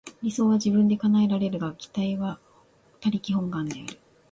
理想は自分で叶えられるが、期待は他力本願である。